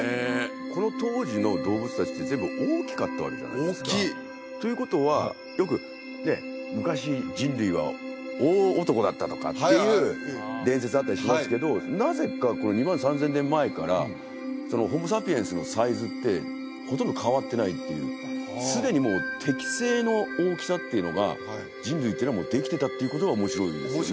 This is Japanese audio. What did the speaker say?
この当時の動物達って全部大きかったわけじゃないですか大きいということはよくね昔人類は大男だったとかっていう伝説あったりしますけどなぜか２万３０００年前からホモ・サピエンスのサイズってほとんど変わってないっていうすでにもう適正の大きさっていうのが人類っていうのはもうできてたっていうことが面白いですよね